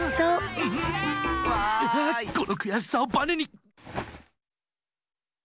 このくやしさをバネに！